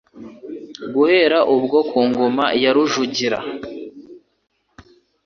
Guhera ubwo, ku ngoma ya Rujugira,